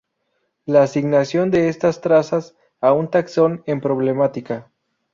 La asignación de estas trazas a un taxón en problemática.